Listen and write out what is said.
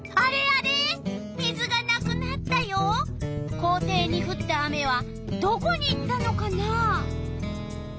校庭にふった雨はどこに行ったのかな？